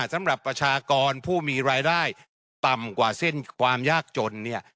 สำหรับประชากรผู้มีรายได้ต่ำกว่าเส้นความยากจนเนี่ย